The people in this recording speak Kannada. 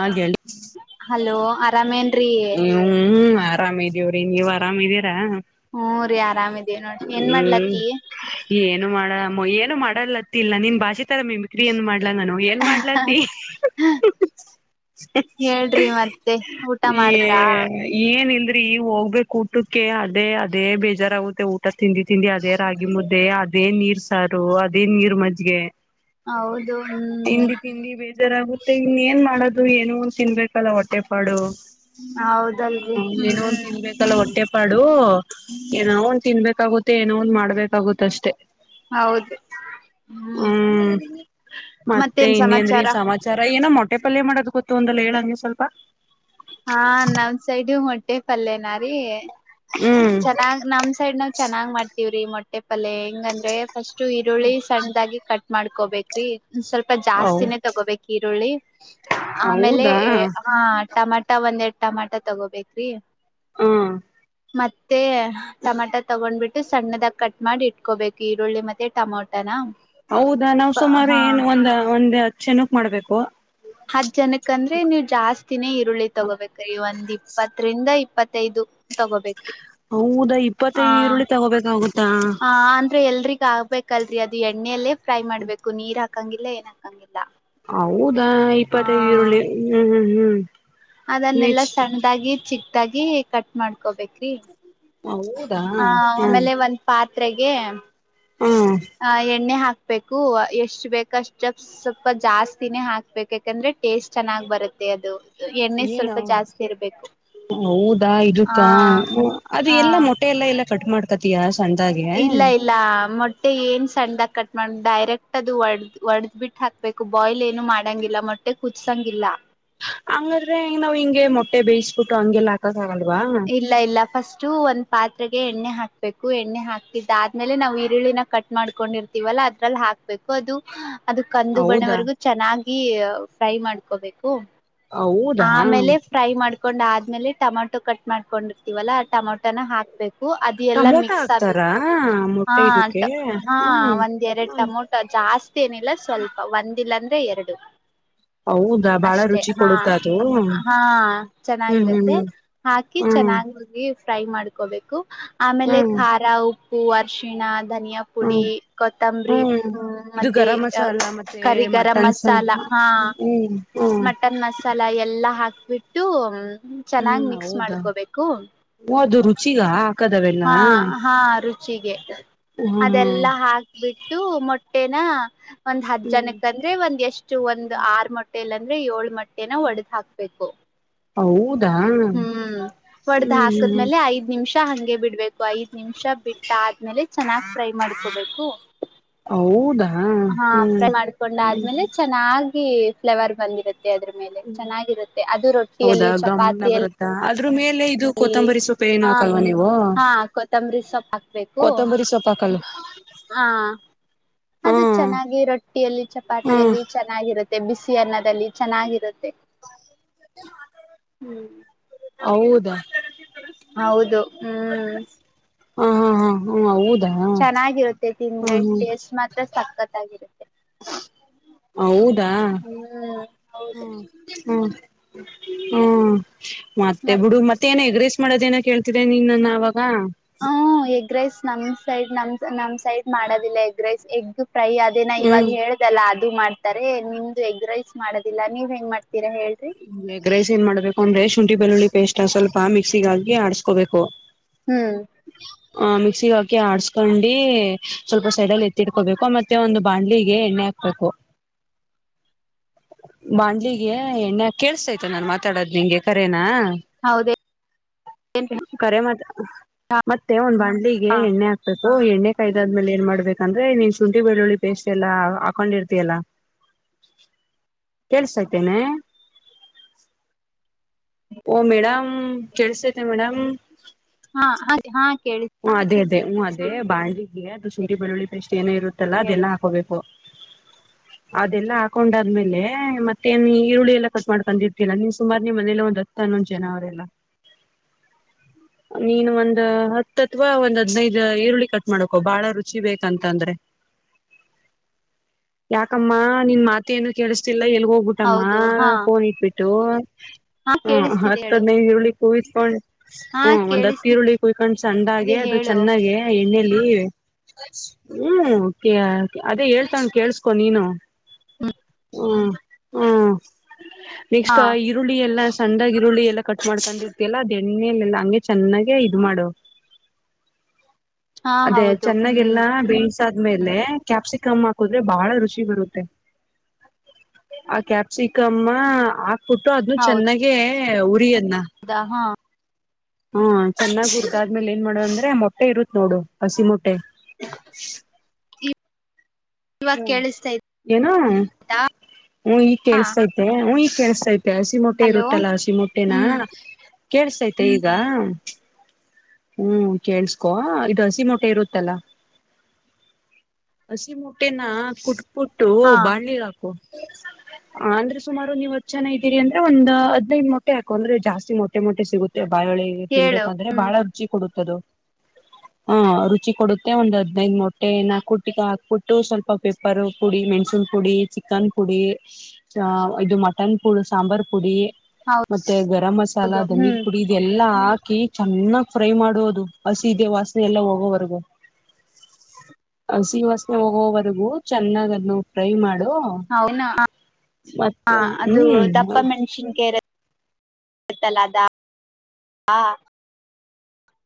ಆಗ್ ಹೇಳಿ ಹಲೋ ಆರಾಮ್ ಏನ್ರಿ. ಆರಾಮಿದೀವ್ರಿ ನೀವ್ ಆರಾಮಿದೀರಾ. ಹೂ ರಿ ಆರಾಮಿದೀವಿ ನೋಡ್ರಿ ಏನ್ ಮಾಡ್ಲತ್ತೀ. ಮು ಏನು ಮಾಡಲ್ಲತ್ತಿಲ್ಲ ನಿನ್ ಭಾಷೆ ನಂತರ ಮೀಮೀಕ್ರೀ ಏನ್ ಮಾಡ್ಲಾ ನಾನು ಏನ್ ಮಾಡ್ಲತಿ ಹೇಳ್ರಿ ಮತ್ತೆ ಊಟ ಏ ಮಾಡಿದ್ರಾ ಏನ ಇಲ್ ರಿ ಈಗ್ ಹೋಗ್ಬೇಕ ಊಟಕ್ಕೆ ಅದೇ ಅದೇ ಬೇಜಾರಾಗುತ್ತೆ ಊಟ ತಿಂದಿ ತಿಂದಿ ಅದೇ ರಾಗಿ ಮುದ್ದ ದೇ ಅದೇ ನೀರ್ ಸಾರು ಅದೇ ನೀರ್ ಮಜ್ಗೆ ಹೌದು ಹ್ಮ್ ತಿಂದಿ ತಿಂದಿ ಬೇಜಾರಾಗುತ್ತೆ ಇನ್ ಏನ್ ಮಾಡ ಮಾಡದು ಏನು ಒಂದ್ ತಿನ್ಬೇಕಲ್ಲ ಹೊಟ್ಟೆ ಪಾಡು. ಹ್ಮ ಹೌದಲ್ರಿ ಏನೋ ಒಂದು ಹ್ಮ್ ತಿನ್ಬೇಕಲ್ಲ ಹೊಟ್ಟೆ ಪಡುು ಏನಾವ ಒಂದು ತಿನ್ಬೇಕಾಗುತ್ ಮೆ ಏನೋ ಒಂದು ಮಾಡ್ಬೇಕಾಗುತ್ತ ಅಷ್ಟೇ ಹೌದು ಹ್ಮ್ ಮತ್ತೆ ಮತ್ತೇನ್ ಇನ್ನೇಂದ್ರಿ ಸಮಾಚಾರ ಸಮಾಚಾರ ಏನ ಮೊಟ್ ಪಲ್ಯ ಮಾಡೋದು ಗೊತ್ತು ಒಂದಲ್ಲ ಹೇಳಂಗೆ ಸ್ವಲ್ಪ ಎ ಪಲ್ಲೇನ ರೀ ಹ್ಮ್ ಚೆನ್ನಾಗ್ ನಮ್ ಸೈಡ್ ನಾವ ಚೆನ್ನಾಗ್ ಮಾಡ್ ವ್ರಿ ಮೊಟ್ಟೆ ಪಲ್ಲೆ ಹೆಂಗಂದ್ರೆ ಫಸ್ಟು ಈರುಳ್ಳಿ ಸಣ್ಣದಾಗಿ ಕಟ್ ಮಾಡ್ಕೋಬೇಕ್ರಿ ಸ್ವಲ್ಪ ಹೌ ಜಾಸ್ತಿನೇ ತಗೋಬೇಕ ಈರುಳ್ಳಿ ಆಮೇಲೆ ಹೌದಾ ಹ ಟಮಾಟ ಟ ಒಂನೆಡ್ತಾ ಟಮಾಟೊ ತಗೋಬೇಕ್ರೀ ಹಾ ಮತ್ತೆ ಟಮಾಟ ತಗೊಂಡ್ಬಿಟ್ಟು ಸಣ್ಣದಾಗ ಕಟ್ ಮಾಡಿ ಇಟ್ಕೋಬೇಕು ಈರುಳ್ಳಿ ಮತ್ತೆ ಟಮಾಟನ ಹೌದಾ ನಾವ್ ಸುಮಾರು ಏನು ಒಂದ ಒಂದ ಕ್ಷಷಣಕ್ ಮಾಡ್ಬೇಕು ಹತ್ತು ಜನಕ್ ಯಾಕಂದ್ರೆ ನೀವು ಜಾಸ್ತಿನೇ ಈರುಳ್ಳಿ ತಗೋಬೇಕ್ರೀ ಒಂದ್ ಇಪ್ಪತ್ತರಿಂದ ಇಪ್ಪತ್ ಮತ್ತೈದು ತಗೋಬೇಕ್ರಿ ಹೌದಾ ಆ ಇಪ್ಪತ್ತೈದು ಈರುಳ್ಳಿ ತಗೋಬೇಕಾಗುತ್ತಾ ಗ ಆಗ್ಬೇಕಲ್ರರಿ ಅದು ಎಣ್ಣಲಿ ಫ್ರೈ ಮಾಡ್ಬೇಕು ನೀರ್ ಹಾ ಕ್ಕಂಗಿಲ್ಲ ಏನಾಕ್ಕಂಗಿಲ್ಲ ಹೌದ್ ಹ ಇಪ್ಪತೈಇರುಳ್ಳಿ ಹ್ಮ್ ಹ್ಮ್ ಹ್ಮ್ ಅದನ್ನೆಲ್ಲಾ ನೆಕ್ಸ್ಟ್ ಸಣ್ಣದಾಗಿ ಚಿಕ್ ತಾಗಿ ಕಟ್ ಮಾಡ್ಕೊಬೇಕ್ರಿ ಹೌದಾ ಹ ಹ್ಮ್ ಆಮೇಲೆ ಒಂದ್ ಪಾತ್ ದ್ರಗೆ ಹ್ಮ್ ಹ ಎಣ್ಣೆ ಹಾಕ್ ಬೆಕು ಎಷ್ಟ್ ಬೇಕ ಅಷ್ಟ ಸ್ವಲ್ಪ ಜಾಸ್ತಿನೇ ಹಾಕ್ಬೇಕು ಯಾಕಂದ್ರೆ ಟೇಸ್ಟ್ ಚೆನ್ನಾಗ್ ಬರುತ್ತೆ ಅದು ಎಣ್ಣೆ ಏನು ಸ್ವಲ್ಪ ಜಾಸ್ತಿ ಇರ್ಬೇಕು ಹೌದಾ ಹಾ ಇದಕ್ಕಾ ಅದು ಹ ಎಲ್ಲಾ ಮೊಟ್ಟೆ ಎಲ್ಲ ಎಲ್ಲ ಕಟ್ ಮಾಡ್ಕತ್ತ ತಿಯಸ್ ಇಲ್ಲ ಇಲ್ಲ ಮೊಟ್ಟೆ ಏನ್ ಸಣ್ಣದಾಗ್ ಕಟ್ ನಾ ಡೈರೆಕ್ಟ್ ಅದು ಒಡ್ದ್ ಒಡದ್ ಬಿಟ್ಟ ಹಾಕ್ಬೇಕು ಬಾಯ್ಲ್ ಏನು ಮಾಡಂಗಿಲ್ಲ ಮೊಟ್ಟೆ ಕುದಸಂಗಿಲ್ಲ ಹಂಗಂದ್ರೆ ನಾವು ಹಿಗೆ ಮೊಟ್ಟೆ ಬೇಯಿಸ್ಬಟ್ಟು ಹಂಗೇಲ್ಲ ಇಲ್ಲ ಇಲ್ಲ ಫಸ್ಟ್ಒಂದ್ ಪಾತ್ರೆಗೆ ಎಣ್ಣೆ ಹಾಕ್ಬೇಕು ಎಣ್ಣೆ ಹಾಕ್ತಿದ್ದ ಆದ್ಮೇಲೆ ನಾವು ಈರುಳ್ಳಿನ ಕಟ್ ಮಾಡ್ಕೊಂಡಿರ್ತೀವಲ್ಲ ಅದ್ರಲ್ಲಿ ಹಾಕ್ಬೇಕು ಅದು ಅದು ಕಂದು ಹೌದಾ ಬಣ್ಣವರೆಗೂ ಚೆನ್ನಾಗ ಹಾಕಿ ಫ್ರೈ ಮಾಡ್ಕೋಬೇಕು ಹೌದಾ ಆಮೇಲೆ ಫ್ರೈ ಮಾಡ ಹಕೊಂಡ್ ಆದ್ಮೇಲೆ ಟಮೊಟೊ ಕಟ್ ಮಾಡ್ಕೊಂಡಿರ್ತವಲ್ಲಾ ಆ ಟಮೊಟೋನ ಹಾಕ್ಬೇಕು ಅದು ಎಲ್ಲ ಟಮೊಟೊ ಮಿಕ್ಸ್ ಆಗ್ ಹಾಕ್ತಾರಾ ಹಾ ಮೊಟ್ಟೆ ಇದಕ್ಕೆ ಹಾ ಹ್ಮ್ ಒಂದ್ ಎರಡ್ ಟಮೋಟೊ ಜಾಸ್ತಿ ಏನಿಲ್ಲ ಸ್ವಲ್ಪ ಒಂದಿಲ್ಲಂದ ಎರಡು ಹೌದ ಬಾಳ ಅಷ್ಟೆ ರುಚಿ ಹಾ ಕೊಡುತ್ತಾ ಅದು ಹ್ಮ್ ಹಾ ಹ್ಮ್ ಚೆನ್ನಾಗಿರತ್ತೆ ಹಾಕಿ ಚೆನ್ನಾಗಿ ಉರ್ದಿ ಫ್ರೈ ಮಾಡ್ಕೋಬೇಕು ಆಮೇಲೆ ಹ್ಮ್ ಹ್ಮ್ ಖಾರ ಉಪ್ಪು ಉಪ್ಪು ಅರಿಶಿಣ ಧನಿಯಾ ಪುಡಿ ಹ್ಮ್ ಕೊತ್ತಂಬರಿ ಹ್ಮ್ ಇದು ಮತ್ತೆ ಗರಂ ಮಸಾಲ ಮತ್ತೆ ಕರಿಗರಂ ಮಟನ್ಸ ಮಸಾಲ ಹಾ ಹ್ಮ್ ಹ್ಮ್ ಮಟನ್ ಮಸಾಲ ಎಲ್ಲಾ ಹಾಕ್ಬಿಟ್ಟು ಚೆನ್ನಾಗ್ ಹ್ಮ್ ಮಿಕ್ಸ್ ಹೌದಾ ಮಾಡ್ಕೋಬೇಕು ಅದು ರುಚಿಗ ಹಾಕದವೆಲ್ಲ ಹಾ ಹಾ ರುಚಿಗೆ ಹ್ಮ್ ಅದೆಲ್ಲಾ ಹಾಕ್ಬಿಟ್ಟು ಮೊಟ್ಟೆ ಮೊಟ್ಟೆನ ಒಂದ್ ಹತ್ತು ಹ್ಮ್ ಜನಕ್ಕ ಅಂದ್ರೆ ಒಂದ್ ಎಷ್ಟು ಒಂದ್ ಆರು ಮೊಟ್ಟೆ ಇಲ್ಲ ಅಂದ್ರೆ ಏಳು ಮೊಟ್ಟೆ ಏನೋ ಒಡೆದ್ ಹಾಕ್ಬೇಕು ಹ್ಮ್ ಒಡೆದ್ ಹ್ಮ್ ಹಾಕದ್ಮೇಲೆ ಐದ್ ನಿಮಿಷ ಹಂಗೆ ಬಿಟ್ಟ ಬಿಡ್ಬೇಕು ಐದ್ ನಿಮಿಷ ಬಿಟ್ಟ ಆದ್ಮೇಲೆ ಚೆನ್ನಾಗ್ ಫ್ರೈ ಮಾಡ್ಕೋಬೇಕು ಹೌದ ಹ್ಮ್ ಹಾ ಫ್ರೈ ಮಾಡ್ಕೊಂಡ ಹ ಆದ್ಮೇಲೆ ಚೆನ್ನಾಗಿ ಫ್ಲೇವರ್ ಬಂದಿರುತ್ತೆ ಅದ್ರ ಮೇಲೆ ಚೆನ್ನಾಗಿರುತ್ತೆ ಅದು ರೊಟ್ಟಿಯಲ್ಲಿ ಚಪಾತಿಯಲ್ಲಿ ಅವ್ರ ಮೇಲೆ ಇದು ಕೊತ್ತಂಬರಿ ಸೊಪ್ ಏನು ಹಾಕಲ್ವಾ ನೀವು ಹಾ ಕೊತ್ತಂಬರಿ ಕೊತ್ತಂಬರಿ ಸೊಪ್ ಹಾಕಲ್ವ ಹಾ ಹಾ ಅದು ಚೆನ್ನಾಗಿ ರೊಟ್ಟಿಯಲ್ಲಿ ಹಾ ಚಪಾತಿಯಲ್ಲಿ ಚೆನ್ನಾಗಿರುತ್ತೆ ಬಿಸಿ ಅನ್ನದಲ್ಲಿ ಚೆನ್ನಾಗಿರುತ್ತೆ ಹ್ಮ್ ಹೌದಾ ಹೌದು ಹ್ಮ್ ಹ ಹಾ ಹಾ ಹ ಹೌದು ಚೆನ್ನಾಗಿರುತ್ತೆ ತಿಂದ್ರೆ ಟೇಸ್ಟ್ ಮಾತ್ರ ಸಕ್ಕತ್ತಾಗಿರುತ್ತೆ ಹ [unintelligible] ಹೌದಾ ಹೌದು ಹ್ಮ ಹ್ಮ್ ಮತ್ತೆ ಮತ್ ಬಿಡು ಮತ್ತೆ ಏನ್ ಎಗ್ ರೈಸ್ ಮಾಡೋದೇನು ಕೇಳ್ತಿದ್ದೆ ನೀ ನನ್ನ ಅವಾಗ ಹ್ಮ ಎಗ್ ರೈಸ್ ನಮ್ ಸೈಡ್ ನಮ್ ನಮ್ ಸೈಡ್ ಮಾಡೋದಿಲ್ಲ ಎಗ್ ರೈಸ್ ಎಗ್ ಪ್ರೈ ಅದೇನ ಇವಾಗ ಹ್ಮ್ ಹೇಳ್ದಲ್ಲ ಅ [unintelligible] [unintelligible] ದು ಮಾಡ್ತಾರೆ ನಿಮ್ದು ಎಗ್ ರೈಸ್ ಮಾಡೋದಿಲ್ಲ ನೀವ್ ಹೆಂಗ್ ಮಾಡ್ತ ಎಗ್ ರೈಸ್ ಮಾಡ್ಬೇಕು ಅಂದ್ರೆ ಶುಂಠಿ ಬೆಳ್ಳುಳ್ಳಿ ಪೇಸ್ಟ್ ಸ್ವಲ್ಪ [unintelligible] ಪ ಮಿಕ್ಸಿಗ್ ಹಾಕಿ ಆಡುಸ್ಕೋಬೇಕು ಹೂ [unintelligible] [unintelligible] ಹ ಮಿಕ್ಸಿ ಹಾಕಿ ಆಡ್ಸ್ಕೊಂಡಿ ಸ್ವಲ್ಪ ಸೈಡಲ್ಲಿ ಎತ್ತಿಡ್ಕೋಬೇಕು ಮತ್ತೆ ಒಂದು ಬಾಂಡ್ಲಿಗೆ ಎಣ್ಣೆ ಹಾಕ್ಬೇಕು ಬಾಂಡ್ಲಿಗೆ ಹನ್ ಕೇಳಿಸ್ತೈತಾ ನಾನನ್ ಮಾತಾಡದ್ ನಿಂಗೆ ಕರೇನಾ ಹೌದ [unintelligible] ಕರೆ ಮತ್ ಮತ್ತೆ ಒಂದು ಬಾಣ್ಣ [unintelligible] ಲ್ಲಿಗೆ ಎಣ್ಣೆ ಹಾಕ್ಬೇಕು ಓ ಎಣ್ಣೆ ಕಾಯ್ದಾದ್ಮೇಲೆ ಏನ್ ಮಾಡ್ಬೇಕಂದ್ರೆ ನೀನ್ ಶುಂಠಿ ಬೆಳ್ಳುಳ್ಳಿ ಪೇಸ್ಟ್ ಎಲ್ಲಾ ಹಾಕೊಂಡಿರ್ತಯಲ್ಲ ಕೇಳ್ಸಾತೇನೆ ಓ ಮೇಡಮ್ ಕೇಳಿಸತೈತ ಮೇಡಮ್ ಹಾ ಹ [unintelligible] ಹ್ಮ ಅದೇ ಅದೇ ಹ್ಮ್ ಅದೇ ಬಾಂಡ್ಲಿಗೆ ಅದು ಶುಂಠಿ ಬೆಳ್ಳುಳ್ಳಿ ಪೇಸ್ಟ್ ಏನ ಇರುತ್ತಲ್ಲಾ ಹೇಳು ಅದೆಲ್ಲ ಹಾಕೋಬೇಕು ಅದೆಲ್ಲಾ ಹಾಕೊಂಡಾದ್ಮೇಲೆ ಮತ್ತೆ ನೀ ಈರುಳ್ಳಿ ಎಲ್ಲ ಕತ್ ಮಾಡ್ಕೊಂಡಿರ್ತಲ್ಲ ನೀನ್ ಸುಮಾರು ನಿ ಮನೇಲ್ಲ ಒಂದ್ ಹತ್ತು ಹನ್ನೊಂದ ಜನ ಅವರೆಲ್ಲ ನೀನು ಒಂದ ಹ ಹ [unintelligible] ಅಥವಾ ಒಂದ್ ಹದ್ನೈದ ಈರುಳ್ಳಿ ಕಟ್ ಮಾಡಕ ಬಹಳ ರುಚಿ ಬೇಕಂತ ಅಂದ್ರೆ ಯಾಕಮ್ಮ ನಿನ್ ಮಾತ ಏನು ಕೇಳಿಸತೀ ಎಲ್ಲ ಎಲ್ಲಿಗ್ ಹೋಗ್ಬಿಟ್ಟಮ್ಮ ಹೌದು ಹಾ ಫೋನ್ ಇಟ್ಬು ಟೂ ಹಾ ಕೇಳಿಸ್ತಿದೆ ಹತ್ತು ಹೇಳು ಹದಿನೈದು ಈರುಳ್ಳಿ ಉಹಿಸ್ಕೊಂಡು ಹಾ ಒಂದು ಅತ್ತು ಈರುಳ್ಳಿ ಕೊಯ್ಕೊಂಡು ಸಂಡಾಗೆ ಅದು ಹೇಳು ಚೆನ್ನಾಗಿ ಎಣ್ಣಲಿ ಹ್ಮ ಅದೇ ಹೇಳ್ತಾನೆ ಕೇಳಿಸ್ಕೊ ನೀನು ಹ್ಮ ಹ್ಮ ಹ್ಮ ಹಾ ನೆಕ್ಸ್ಟ್ ಆ ಈರುಳ್ಳಿ ಎಲ್ಲ ಸಣ್ಣಾಗಿ ಈರುಳ್ಳಿ ಎಲ್ಲ ಕಟ್ ಮಾಡ್ಕೊಂಡ ಇರ್ತಲ್ಲ ಅದು ಎಣ್ಣೆಲ್ಲೆಲ್ಲ ಹಂಗೆ ಚೆನ್ನಾಗೆ ಇದು ಮಾಡು ಹಾ ಅದೇ ಹೌದು ಚೆನ್ನಾಗೆಲ್ಲ ಹ್ಮ್ ಬೇಸ್ ಆದ್ಮೇಲೆ ಕ್ಯಾಪ್ಸಿಕಮ ಹಾಕದ್ರೆ ಬಹಳ ರುಚಿ ಬರುತ್ತೆ ಆ ಕ್ಯಾಪ್ಸಿಕಮ ಹಾ ಕೊಟ್ಟು ಅದನ್ನು ಚೆನ್ನಾಗೆ ಉರಿ ಹೌದಾ ಹಾ ಹಾ ಚೆನ್ನಾಗಿರು ಆದ್ಮೇಲೆ ಏನ್ ಮಾಡು ಅಂದ್ರೆ ಮಟ್ಟೆ ಇರುತ್ತತ್ ನೋಡು ಹಸಿ ಮೊಟ್ಟೆ ಟ್ಟೆ ಇವಾಗ ಹ್ಮ ಕೇಳಿಸ್ತಾ ಏನೋ ಇದ್ದಾ ಹೂ ಈಗ ಕೇಳಿಸೈತೆ ಹೂ ಈ ಕೇಳಿ ಹಸಿಮೊಟ್ಟೆ ಹಲೋ ಇರುತ್ತಲ್ಲ ಹಸಿಮೊಟ್ಟೆನಾ ಹ್ಮ್ ಕೇಳ್ಸೈತೆ ಈಗ ಹ್ಮ್ ಕೇಳ್ಸ್ಕೋ ಇದು ಹಸಿಮೊಟ್ಟೆ ಇರುತ್ತಲ್ಲ ಹಸಿ ಮೊಟ್ಟೆನ ಕುಟ್ ಬುಟ್ಟು ಹಾ ಬಾಣ್ಲಿಗೆ ಹಾಕು ಹ ಅಂದ್ರೆ ಸುಮಾರು ನೀವ್ ಹತ್ ಜನ ಇದ್ದೀರಿ ಅಂದ್ರೆ ಒಂದ್ ಹದ್ನೈದು ಮೊಟ್ಟೆ ಹಾಕು ಅಂದ್ರೆ ಜಾಸ್ತಿ ಮೊಟ್ಟೆ ಮೊಟ್ಟೆ ಸಿಗುತ್ತೆ ಬಾಯೋಳಿಗೆ ಹೇಳು ತಿನ್ಬೇಕಂದ್ರೆ ಹ್ಮ್ ಬಹಳ ಕೊಡುತ್ತದು ಹ ರುಚಿ ಕೊಡುತ್ತೆ ಒಂದು ಹದ್ನೈದ್ ಮೊಟ್ಟೆ ನಾಲ್ಕುಟ್ಟಿಕ ಹಾಕ್ಬಿಟ್ಟು ಸ್ವಲ್ಪ ಪೆಪ್ಪರ್ ಪುಡಿ ಮೆಣಸಿನ್ ಪುಡಿ ಚಿಕನ್ ಪುಡಿ ಇದು ಮಟನ್ ಪುಡಿ ಸಾಂಬಾರ್ ಪುಡಿ ಹೌದು ಮತ್ತೆ ಗರಂ ಮಸಾಲ ಹೌದು ಧನೀರ್ ಹ್ಮ್ ಪುಡಿ ಇದ್ ಎಲ್ಲಾ ಹಾಕ ಕಿ ಚನ್ನಗ್ ಫ್ರೈ ಮಾಡುವುದು ಹಸಿದೆ ವಾಸನೆ ಎಲ್ಲ ಹೋಗೋವರೆಗೂ ಹಸಿ ವಾಸನೆ ಹೋಗೋವರೆಗೂ ಚೆನ್ನಾಗ ಅದನ್ನು ಫ್ರೈ ಮಾಡ ಹೌನ ಹ ಅದು ಹ್ಮ್ ದಪ್ಪ ಮೆಣ್ಸಿನ್ಕ ಇರ ತ್ತಲ ಅದ್ ಹಾಕ್ ಹ